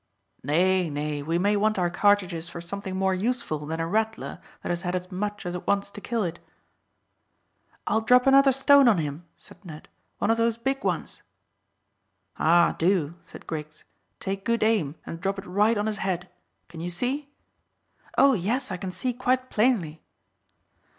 "Nay, nay; we may want our cartridges for something more useful than a rattler that has had as much as it wants to kill it." "I'll drop another stone on him," said Ned. "One of those big ones." "Ah, do," said Griggs. "Take good aim, and drop it right on his head. Can you see?" "Oh, yes, I can see quite plainly."